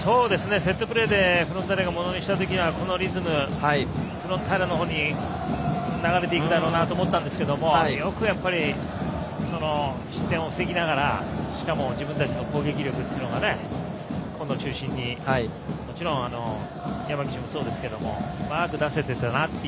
セットプレーでフロンターレがものにした時にはこのリズムフロンターレの方に流れていくだろうなと思ったんですけどよく失点を防ぎながらしかも自分たちの攻撃力というのが紺野中心にもちろん、山岸もそうですけどうまく出せていたなと。